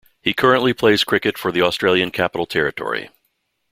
He currently plays cricket for the Australian Capital Territory.